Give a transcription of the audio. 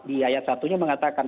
di ayat satunya mengatakan